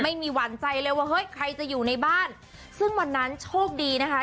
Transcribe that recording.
ไม่มีหวานใจเลยว่าเฮ้ยใครจะอยู่ในบ้านซึ่งวันนั้นโชคดีนะคะ